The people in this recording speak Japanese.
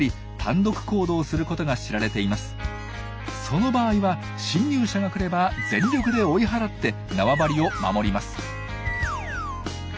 その場合は侵入者が来れば全力で追い払ってなわばりを守ります。